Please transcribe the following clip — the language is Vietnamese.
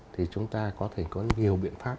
thì chúng ta có thể có nhiều biện pháp